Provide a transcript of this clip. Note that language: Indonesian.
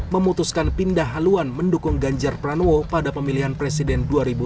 memutuskan pindah haluan mendukung ganjar pranowo pada pemilihan presiden dua ribu dua puluh